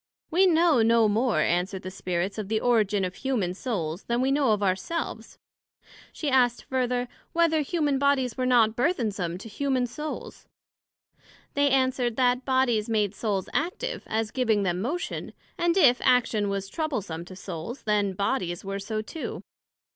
We know no more, answered the Spirits, of the origin of humane Souls, then we know of our Selves. she asked further, Whether humane bodies were not burthensome to humane Souls? They answered, That Bodies, made Souls active, as giving them motion; and if action was troublesome to Souls, then Bodies were so too.